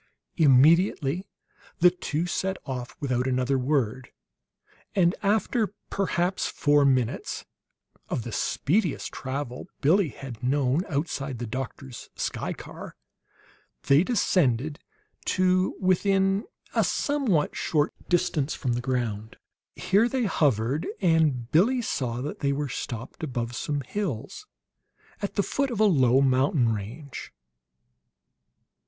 Immediately the two set off without another word; and after perhaps four minutes of the speediest travel Billie had known outside the doctor's sky car, they descended to within a somewhat short distance from the ground. Here they hovered, and Billie saw that they were stopped above some hills at the foot of a low mountain range.